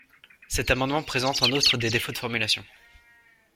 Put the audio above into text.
Cet amendement présente en outre des défauts de formulation.